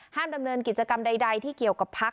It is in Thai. ดำเนินกิจกรรมใดที่เกี่ยวกับพัก